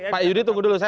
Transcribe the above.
pak yudi tunggu dulu